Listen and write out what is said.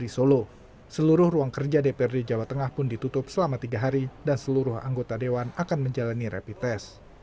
di solo seluruh ruang kerja dprd jawa tengah pun ditutup selama tiga hari dan seluruh anggota dewan akan menjalani rapid test